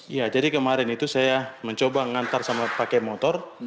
ya jadi kemarin itu saya mencoba mengantar pakai motor